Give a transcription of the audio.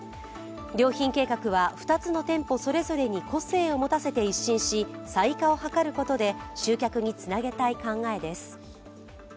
良品計画は２つの店舗それぞれに個性を持たせて一新し、差異化を図ることで集客につなげたい考えです。